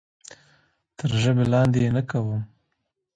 تر ژبه لاندې یې نه کوم.